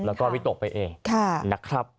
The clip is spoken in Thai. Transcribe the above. แล้วก็วิตกไปเองนะครับ